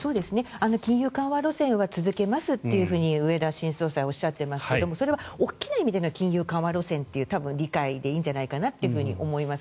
金融緩和路線は続けますと植田新総裁は言ってますがそれは大きな意味での金融緩和路線という意味でいいと思います。